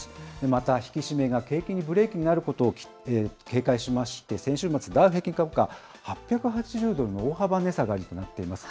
また引き締めが景気にブレーキになることを警戒しまして、先週末、ダウ平均株価、８８０ドルの大幅値下がりとなっています。